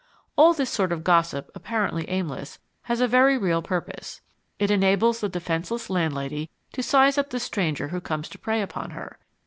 All this sort of gossip, apparently aimless, has a very real purpose: it enables the defenceless landlady to size up the stranger who comes to prey upon her.